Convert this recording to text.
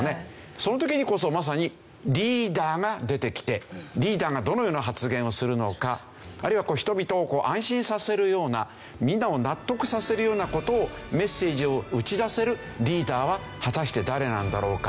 その時にこそまさにリーダーが出てきてあるいは人々を安心させるようなみんなを納得させるような事をメッセージを打ち出せるリーダーは果たして誰なんだろうか？